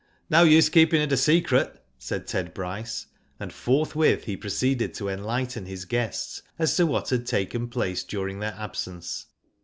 *'No use keeping it a secret," said Ted Bryce and forthwith he proceeded to enlighten his guests as to what had taken place during their absence.